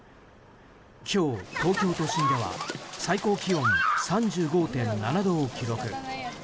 今日、東京都心では最高気温３５．７度を記録。